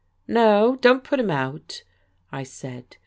"No, don't put him out," I said.